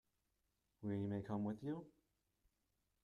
We may come with you?